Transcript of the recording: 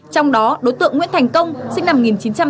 trong đó đối tượng nguyễn thành công sinh năm một nghìn chín trăm tám mươi